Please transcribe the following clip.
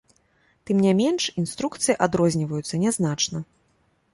Тым не менш інструкцыі адрозніваюцца нязначна.